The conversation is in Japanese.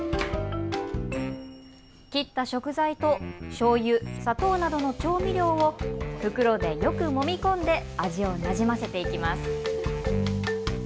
切った食材としょうゆ、砂糖などの調味料を袋でよくもみ込んで味をなじませていきます。